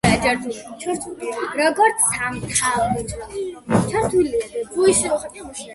როგორც სამთავრობო დაწესებულებაში, შესვლა ეროვნულ გალერეაში უფასოა.